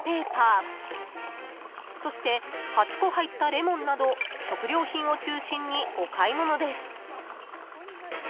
［そして８個入ったレモンなど食料品を中心にお買い物です］